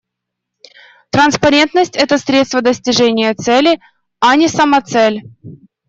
Транспарентность — это средство достижения цели, а не самоцель.